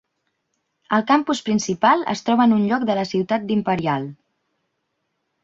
El campus principal es troba en un lloc de la ciutat d'Imperial.